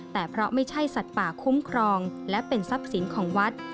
แต่เพราะไม่ใช่สัตว์ป่าคุ้มครองและเป็นทรัพย์สินของวัด